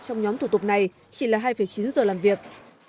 trong nhóm thủ tục này chỉ là hai chín giờ làm việc